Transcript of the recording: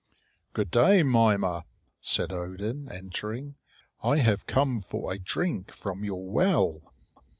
"Good day, Mimer," said Odin, entering; "I have come for a drink from your well."